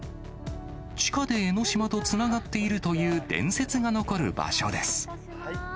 地下で江の島とつながっているという伝説が残る場所です。